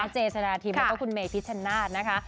เจชะนาธิบแล้วก็คุณเมย์พีชชนะทนะคะ